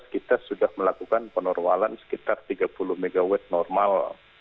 kita sudah melakukan penormalan sekitar tiga puluh mw normal